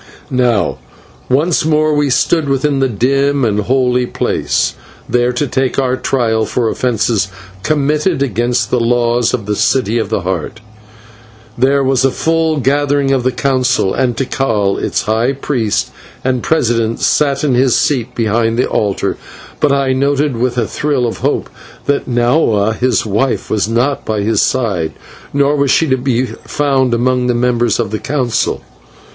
Now once more we stood within the dim and holy place, there to take our trial for offences committed against the laws of the City of the Heart. There was a full gathering of the Council, and Tikal, its high priest and president, sat in his seat behind the altar, but I noted, with a thrill of hope, that Nahua his wife was not by his side, nor was she to be found among the members of the Council.